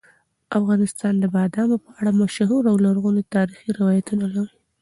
افغانستان د بادامو په اړه مشهور او لرغوني تاریخي روایتونه لري.